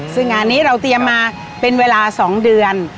ซึ่งงานนี้เราเตรียมมาเป็นเวลา๒เดือน